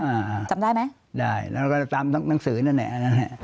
อ่าจำได้ไหมได้แล้วก็ตามหนังสือนั่นแหละนะฮะ